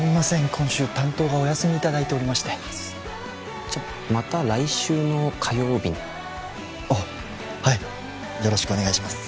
今週担当がお休みいただいておりましてじゃまた来週の火曜日にあっはいよろしくお願いします